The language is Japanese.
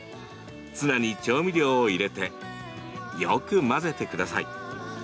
ツナに調味料を入れてよく混ぜてください。